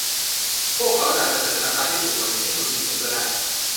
พวกเขาอาจจะเสนอราคาที่ถูกกว่านี้ให้คุณนิดนึงก็ได้